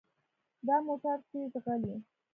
دا موټر تیز ځغلي.